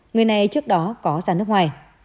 người này trước đó có ra nước ngoài